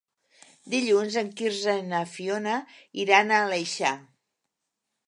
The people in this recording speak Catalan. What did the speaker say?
Dilluns en Quirze i na Fiona iran a l'Aleixar.